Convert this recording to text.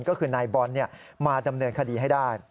ก็คือนายบอลมาดำเนินคดีให้ได้